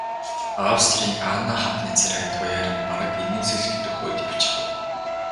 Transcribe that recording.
Австрийн Анна хатны царай туяаран бараг инээмсэглэх дөхөөд явчихав.